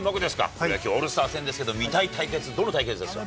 プロ野球オールスター戦ですけど、見たい対決、どの対決でしょう。